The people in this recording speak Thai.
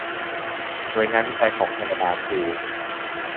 หน่วยงานวิจัยของแคนนาดาคือ